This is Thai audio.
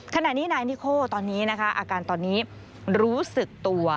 ขณะนี้นายนิโคตอนนี้นะคะอาการตอนนี้รู้สึกตัว